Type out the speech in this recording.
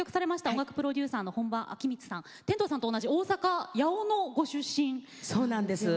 音楽プロデューサーの本間昭光さん天童さんと同じ大阪・八尾市のご出身です。